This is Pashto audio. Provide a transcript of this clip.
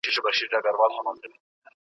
بنګړی مات شرنګي خاموشه د ګناه په بهانه دي